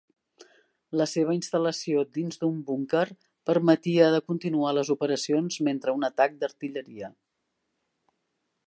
La seva instal·lació dins d'un búnquer permetia de continuar les operacions mentre un atac d'artilleria.